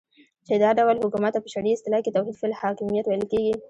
چی دا ډول حکومت ته په شرعی اصطلاح کی توحید فی الحاکمیت ویل کیږی